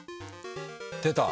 出た。